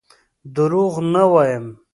دروغ نه وایم.